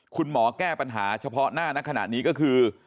คุณหมอแก้ปัญหาเฉพาะหน้าในขณะนี้ก็คือ